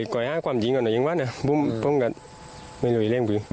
ก็อย่าดูว่าแล้วว่าเราก็ไม่ได้เล่นพอ